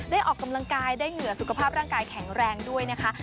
ออกกำลังกายได้เหงื่อสุขภาพร่างกายแข็งแรงด้วยนะคะ